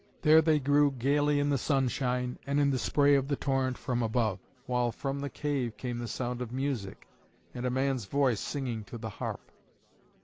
There they grew gaily in the sunshine and in the spray of the torrent from above, while from the cave came the sound of music, and a man's voice singing to the harp.